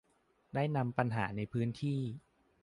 ได้นำปัญหาในพื้นที่